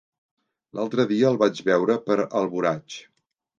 L'altre dia el vaig veure per Alboraig.